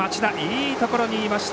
いいところにいました。